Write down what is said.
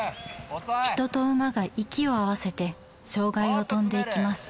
人と馬が息を合わせて障害を跳んでいきます。